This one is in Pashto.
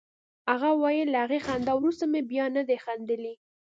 هغه ویل له هغې خندا وروسته مې بیا نه دي خندلي